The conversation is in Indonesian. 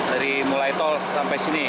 dari mulai tol sampai sini